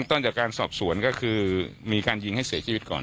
ต้นจากการสอบสวนก็คือมีการยิงให้เสียชีวิตก่อน